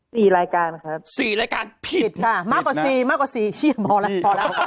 สี่รายการครับสี่รายการผิดค่ะมากกว่าสี่มากกว่าสี่เชียงพอแล้วพอแล้ว